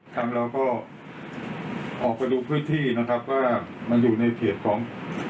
คำเราก็ออกไปดูพืชที่นะครับก็มันอยู่ในเพจของ